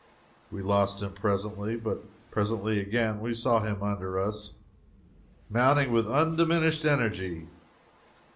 We lost him presently. But presently again we saw him under us, mounting with undiminished energy.